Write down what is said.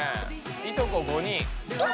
いとこ５人。